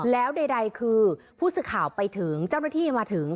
แล้วใดคือผู้สื่อข่าวไปถึงเจ้าหน้าที่มาถึง